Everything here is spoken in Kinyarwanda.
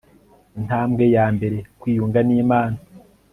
intambwe ya mbere kwiyunga n'imana